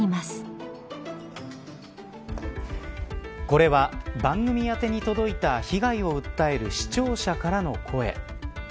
これは番組宛てに届いた被害を訴える視聴者からの声。